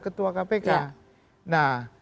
ketua kpk nah